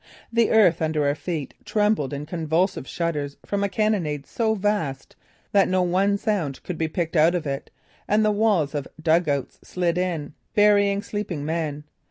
The earth under our feet trembled in convulsive shudders from a cannonade so vast that no one sound could be picked out of it and the walls of dug outs slid in, burying sleeping men.